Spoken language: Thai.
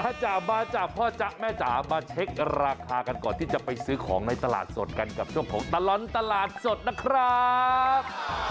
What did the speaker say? ถ้าจ๋ามาจากพ่อจ๊ะแม่จ๋ามาเช็คราคากันก่อนที่จะไปซื้อของในตลาดสดกันกับช่วงของตลอดตลาดสดนะครับ